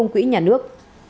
quỹ nhà nước